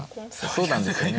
そうなんですよね